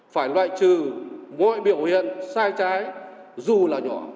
phải loại trừ mọi biểu hiện sai trái dù là nhỏ